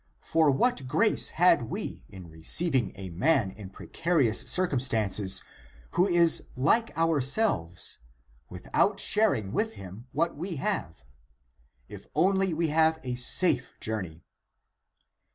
For what grace had we in receiving a man in precarious cir cumstances, who is like ourselves, without sharing with him what we have? If only we have a safe journey."